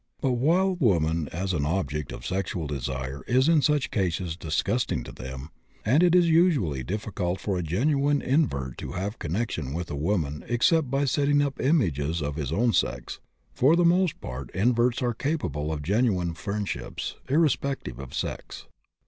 But, while woman as an object of sexual desire is in such cases disgusting to them, and it is usually difficult for a genuine invert to have connection with a woman except by setting up images of his own sex, for the most part inverts are capable of genuine friendships, irrespective of sex.